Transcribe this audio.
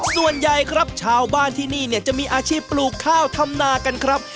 ส่วนใหญ่ครับชาวบ้านที่นี่เนี่ยจะมีอาชีพปลูกข้าวทำนากันครับ